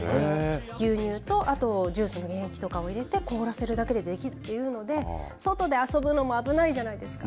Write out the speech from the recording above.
牛乳とジュースの原液とかを入れて凍らせるだけでできるというので外で遊ぶのも危ないじゃないですか。